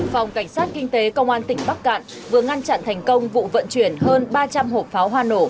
phòng cảnh sát kinh tế công an tỉnh bắc cạn vừa ngăn chặn thành công vụ vận chuyển hơn ba trăm linh hộp pháo hoa nổ